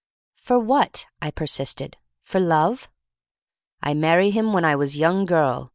"What for?" I persisted— "for love?". "I marry him w'en I was young girl.